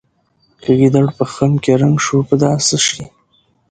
که ګیدړ په خم کې رنګ شو په دا څه شي.